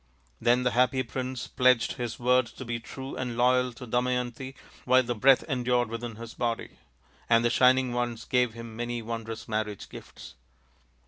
" Then the happy prince pledged his word to be true and loyal to Damayanti while the breath endured within his body ; and the Shining Ones gave him many wondrous marriage gifts.